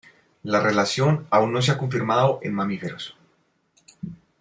La relación aún no se ha confirmado en mamíferos.